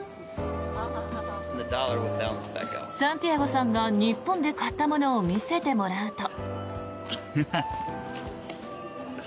サンティアゴさんが日本で買ったものを見せてもらうと。